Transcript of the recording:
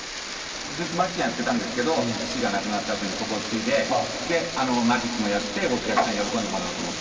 ずっとマジシャンやってたんですけど父が亡くなったあとにここを継いでマジックもやってお客さんに喜んでもらおうと思って。